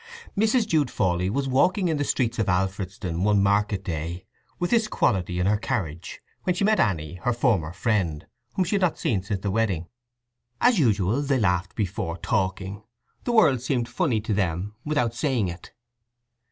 Mrs. Jude Fawley was walking in the streets of Alfredston one market day with this quality in her carriage when she met Anny her former friend, whom she had not seen since the wedding. As usual they laughed before talking; the world seemed funny to them without saying it.